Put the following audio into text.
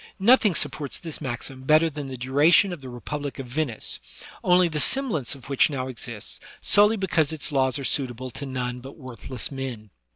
Nothing supports this maxim better than the duration of the republic of Venice, only the semblance of which now exists, solely because its laws are suitable to none but worthless men.